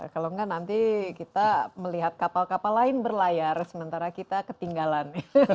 kalau enggak nanti kita melihat kapal kapal lain berlayar sementara kita ketinggalan